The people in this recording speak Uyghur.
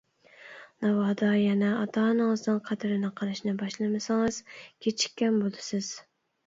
ناۋادا يەنە ئاتا-ئانىڭىزنىڭ قەدرىنى قىلىشنى باشلىمىسىڭىز-كېچىككەن بولىسىز.